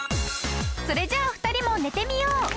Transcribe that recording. それじゃあ２人も寝てみよう。